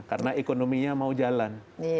karena ekonominya mau jalan